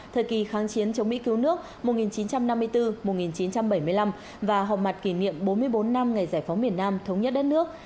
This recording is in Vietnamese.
thời kỳ kháng chiến chống mỹ cứu nước một nghìn chín trăm năm mươi bốn một nghìn chín trăm bảy mươi năm và họp mặt kỷ niệm bốn mươi bốn năm ngày giải phóng miền nam thống nhất đất nước